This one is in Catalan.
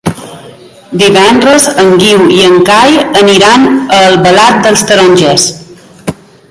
Divendres en Guiu i en Cai aniran a Albalat dels Tarongers.